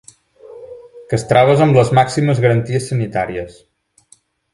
Castraves amb les màximes garanties sanitàries.